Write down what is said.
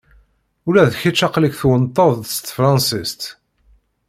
Ula d kečč aql-ik twennteḍ-d s tefransist.